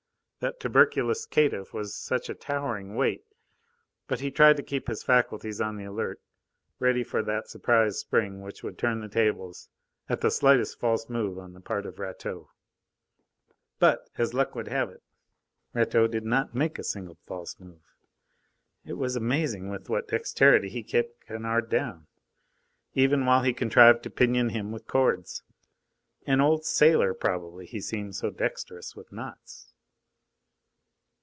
That tuberculous caitiff was such a towering weight. But he tried to keep his faculties on the alert, ready for that surprise spring which would turn the tables, at the slightest false move on the part of Rateau. But, as luck would have it, Rateau did not make a single false move. It was amazing with what dexterity he kept Kennard down, even while he contrived to pinion him with cords. An old sailor, probably, he seemed so dexterous with knots.